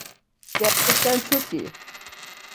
Gerçekten çok iyi.